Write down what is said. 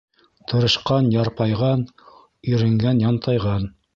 Тырышҡан ярпайған, иренгән янтайған.